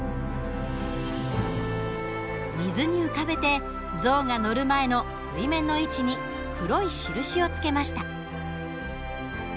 水に浮かべて象が乗る前の水面の位置に黒い印をつけました。